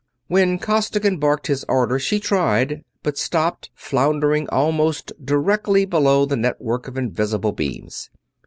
When Costigan barked his order she tried, but stopped, floundering almost directly below the network of invisible beams.